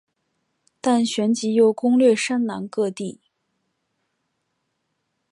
但旋即又攻掠山南各地。